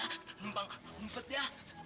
lempar sempet ya bentar aja ya